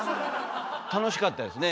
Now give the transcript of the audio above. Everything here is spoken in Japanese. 楽しかったですね。